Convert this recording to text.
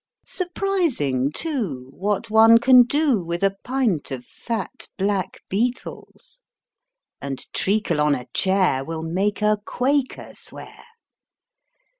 Surprising, too, what one can do with a pint of fat black beetles â And treacle on a chair ^ Will make a Quaker swear!